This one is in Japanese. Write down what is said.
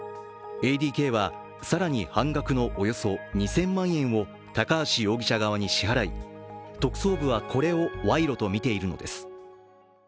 ＡＤＫは更に半額のおよそ２０００万円を高橋容疑者側に支払い、特捜部はこれを賄賂とみているのです。